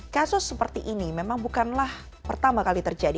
kasus seperti ini memang bukanlah pertama kali terjadi